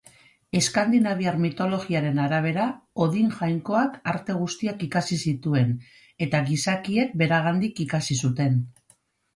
Eskandinaviar mitologiaren arabera, Odin jainkoak arte guztiak ikasi zituen, eta gizakiek beragandik ikasi zuten.